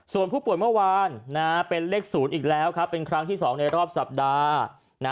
ส่วนผู้ป่วยเมื่อวานเป็นเลข๐อีกแล้วครับเป็นครั้งที่๒ในรอบสัปดาห์